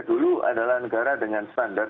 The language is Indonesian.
dulu adalah negara dengan standar